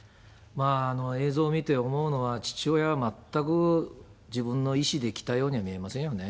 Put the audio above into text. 映像を見て思うのは、父親は全く自分の意思で来たようには見えませんよね。